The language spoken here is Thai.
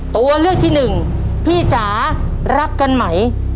ตัวเลือกที่หนึ่งพี่จ๋ารักกันไหม